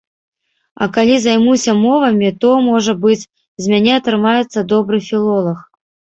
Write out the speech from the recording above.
А калі займуся мовамі, то, можа быць, з мяне атрымаецца добры філолаг.